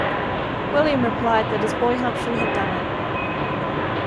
William replied that his boy Humphrey had done it.